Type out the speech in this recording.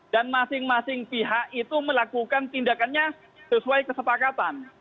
dan masing masing pihak itu melakukan tindakannya sesuai kesepakatan